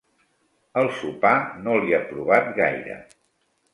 El sopar no li ha provat gaire.